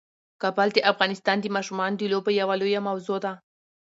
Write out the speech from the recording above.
کابل د افغانستان د ماشومانو د لوبو یوه لویه موضوع ده.